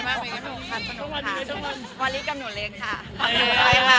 เออเราเป็นหนูเล็กหรือเป็นใครคะ